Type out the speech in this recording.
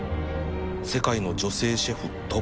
世界の女性シェフ